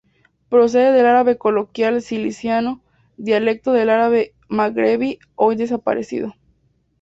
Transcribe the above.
Procede del árabe coloquial siciliano, dialecto del árabe magrebí hoy desaparecido.